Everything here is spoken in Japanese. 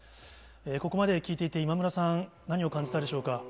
ここまで聞いていて、今村さん、何を感じたでしょうか。